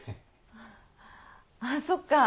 あっあっそっか。